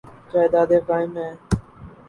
جائیدادیں قائم ہیں۔